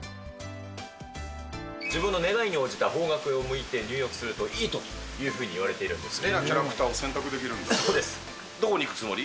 自分の願いに応じた方角を向いて、入浴するといいというふうにいわれているんですね。